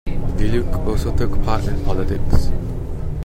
Deluc also took part in politics.